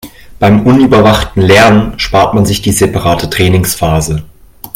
Beim unüberwachten Lernen spart man sich die separate Trainingsphase.